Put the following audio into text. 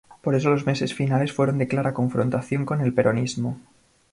Por eso los meses finales fueron de clara confrontación con el peronismo.